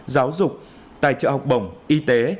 giáo dục tài trợ học bổng y tế